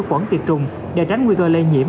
quẩn tiệt trùng để tránh nguy cơ lây nhiễm